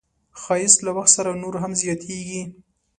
ښایست له وخت سره نور هم زیاتېږي